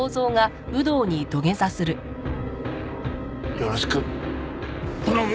よろしく頼む！